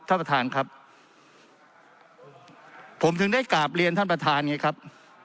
ท่านประธานครับผมถึงได้กราบเรียนท่านประธานไงครับ